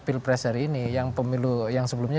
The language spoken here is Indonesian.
pilpres hari ini yang pemilu yang sebelumnya